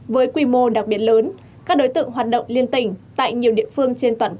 với quy mô đặc biệt lớn